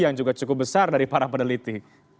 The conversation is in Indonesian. yang juga cukup besar dari para peneliti